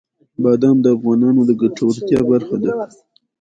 بادام د افغانانو د ګټورتیا برخه ده.